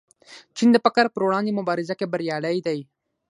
چین د فقر پر وړاندې مبارزه کې بریالی دی.